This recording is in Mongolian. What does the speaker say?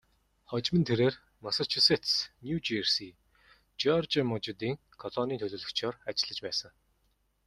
Хожим нь тэрээр Массачусетс, Нью Жерси, Жеоржия мужуудын колонийн төлөөлөгчөөр ажиллаж байсан.